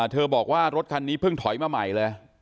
บอกว่ารถคันนี้เพิ่งถอยมาใหม่เลย